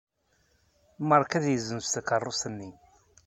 Marc ad yessenz takeṛṛust-nni.